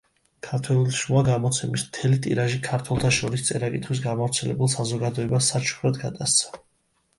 ქართველიშვილმა გამოცემის მთელი ტირაჟი ქართველთა შორის წერა-კითხვის გამავრცელებელ საზოგადოებას საჩუქრად გადასცა.